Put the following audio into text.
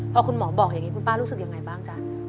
พอคุณหมอบอกอย่างนี้คุณป้ารู้สึกยังไงบ้างจ๊ะ